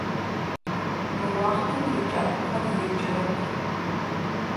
Мы уахътэм еджакӏохэр еджэрэп.